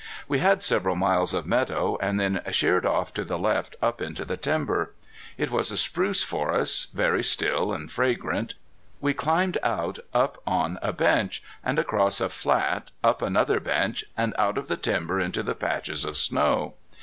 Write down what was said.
We had several miles of meadow, and then sheered off to the left up into the timber. It was a spruce forest, very still and fragrant. We climbed out up on a bench, and across a flat, up another bench, out of the timber into the patches of snow.